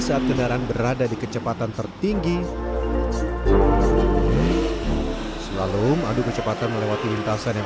saat kendaraan berada di kecepatan tertinggi selalu mengadu kecepatan melewati lintasan yang